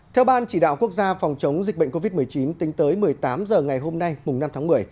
theo ban chỉ đạo quốc gia phòng chống dịch bệnh covid một mươi chín tính tới một mươi tám h ngày hôm nay năm tháng một mươi